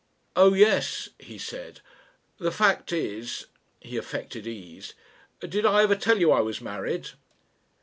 "Oh yes," he said; "the fact is " He affected ease. "Did I ever tell you I was married?"